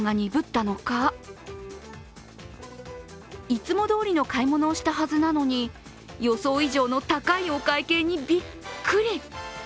いつもどおりの買い物をしたはずなのに予想以上の高いお会計にびっくり。